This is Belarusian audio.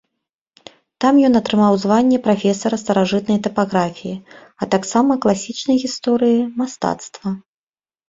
Там ён атрымаў званне прафесара старажытнай тапаграфіі, а таксама класічнай гісторыі мастацтва.